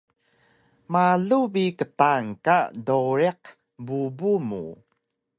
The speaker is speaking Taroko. Malu bi qtaan ka dowriq bubu mu